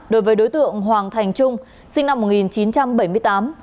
đối với đối tượng hoàng thành trung sinh năm một nghìn chín trăm bảy mươi tám